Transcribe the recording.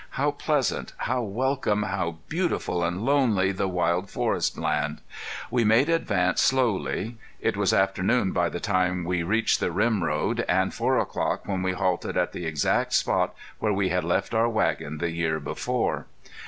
How pleasant, how welcome, how beautiful and lonely the wild forestland! We made advance slowly. It was afternoon by the time we reached the rim road, and four o'clock when we halted at the exact spot where we had left our wagon the year before.